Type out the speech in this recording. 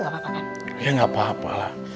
iya nggak apa apalah